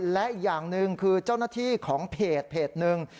และอีกอย่างหนึ่งคือเจ้าหน้าที่ของเพจหนึ่ง